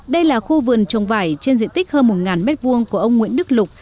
đây là khu vườn trồng vải trên diện tích hơn một m hai của ông nguyễn đức lục